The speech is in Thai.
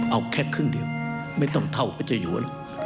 เอาแค่ครึ่งเดียวไม่ต้องเท่าปัจจุยัว